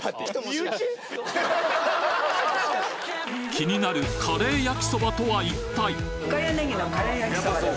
気になるカレーやきそばとは一体？